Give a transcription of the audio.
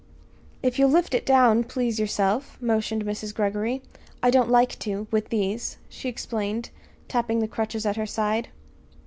"If you'll lift it down, please, yourself," motioned Mrs. Greggory. "I don't like to with these," she explained, tapping the crutches at her side.